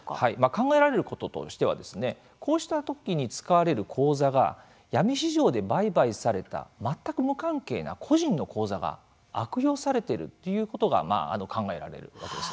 考えられることとしてはこうしたときに使われる口座が闇市場で売買された全く無関係な個人の口座が悪用されているということが考えられるわけです。